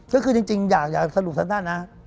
ซึ่งจริงอย่าสรุปสั้นนะ